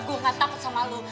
gue gak takut sama lu